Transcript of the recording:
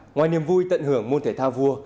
ngoài niềm vui tận hưởng môn thể thao vua